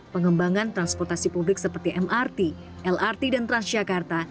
pengembangan transportasi publik seperti mrt lrt dan transjakarta